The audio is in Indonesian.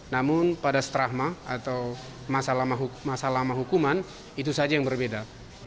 namun pada seterahma atau masalah mahukuman itu saja yang berbeda